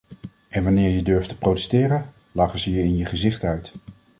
En wanneer je durft te protesteren, lachen ze je in je gezicht uit.